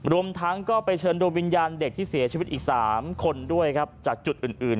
รวมทั้งก็ไปเชิญดูวิญญาณเด็กที่เสียชีวิตอีก๓คนด้วยครับจากจุดอื่น